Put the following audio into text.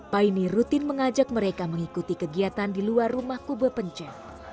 paine rutin mengajak mereka mengikuti kegiatan di luar rumah kube pencet